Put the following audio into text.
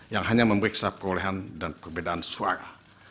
yang hanya memeriksa perolehan dan perbedaan suara